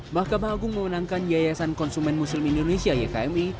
mahkamah agung memenangkan yayasan konsumen muslim indonesia ykmi